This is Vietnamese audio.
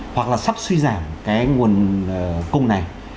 hoặc là sắp suy giảm cái nguồn cung này